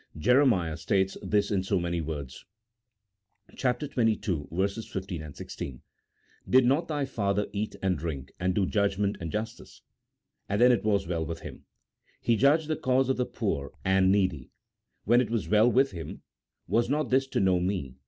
Jeremiah states this in so many words (xxii. 15, 16) :" Did not thy father eat, and drink, and do judgment and justice ? and then it was well with him. He judged the cause of the poor and needy ; then it was well with him : was not this to know Me